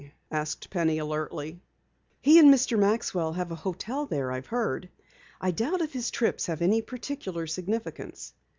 asked Penny alertly. "He and Mr. Maxwell have a hotel there, I've heard. I doubt if his trips have any particular significance."